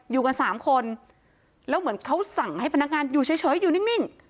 อยู่กันสามคนแล้วเหมือนเขาสั่งให้พนักงานอยู่เฉยอยู่นิ่ง